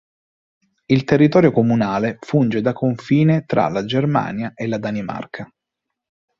Il territorio comunale funge da confine tra la Germania e la Danimarca.